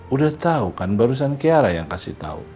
udah tau kan barusan kiara yang kasih tau